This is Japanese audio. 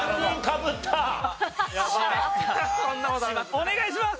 お願いします！